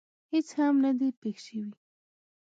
هېڅ هم نه دي پېښ شوي.